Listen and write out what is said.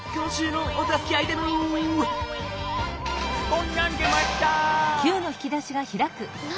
こんなん出ました。